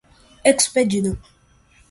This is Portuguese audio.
expedida